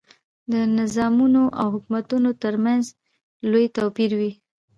د نظامونو او حکومتونو ترمنځ لوی توپیر وي.